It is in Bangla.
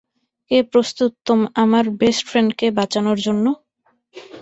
কে প্রস্তুত আমার বেস্ট ফ্রেন্ডকে বাঁচানোর জন্য?